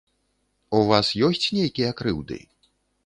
У вас ёсць нейкія крыўды?